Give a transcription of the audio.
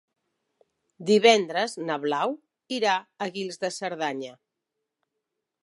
Divendres na Blau irà a Guils de Cerdanya.